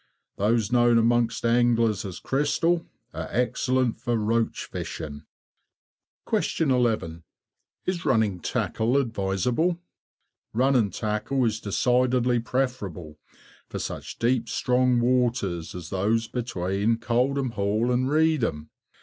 Those known amongst anglers as "Crystal," are excellent for roach fishing. 11. Is running tackle advisable? Running tackle is decidedly preferable for such deep, strong waters as those between Coldham Hall and Reedham.